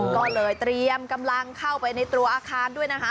ก็เลยเตรียมกำลังเข้าไปในตัวอาคารด้วยนะคะ